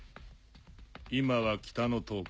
今は北の塔か？